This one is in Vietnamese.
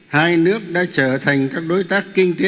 hai nước đã trở thành các đối tác kinh tế